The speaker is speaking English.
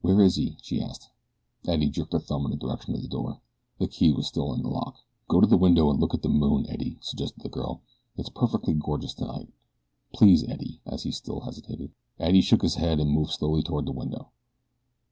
"Where is he?" she asked. Eddie jerked a thumb in the direction of the door. The key still was in the lock. "Go to the window and look at the moon, Eddie," suggested the girl. "It's perfectly gorgeous tonight. Please, Eddie," as he still hesitated. Eddie shook his head and moved slowly toward the window.